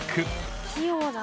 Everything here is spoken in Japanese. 器用だな。